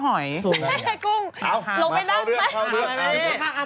ฮา